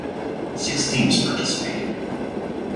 Six teams participated.